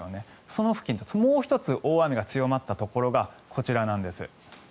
その付近ともう１つ大雨が強まったところがこちらなんです。